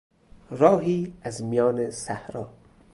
راهی از میان صحرا